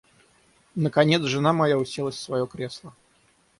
Наконец, жена моя уселась в своё кресло.